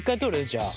じゃあ。